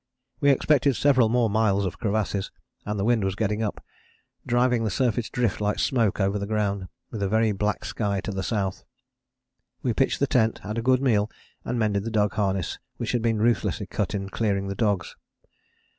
We expected several more miles of crevasses, and the wind was getting up, driving the surface drift like smoke over the ground, with a very black sky to the south. We pitched the tent, had a good meal and mended the dog harness which had been ruthlessly cut in clearing the dogs.